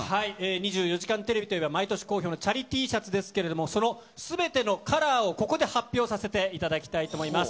２４時間テレビといえば、毎年好評のチャリＴシャツですけれども、そのすべてのカラーをここで発表させていただきたいと思います。